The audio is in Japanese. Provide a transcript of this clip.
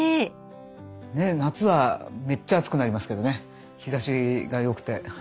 ねっ夏はめっちゃ暑くなりますけどね日ざしがよくて。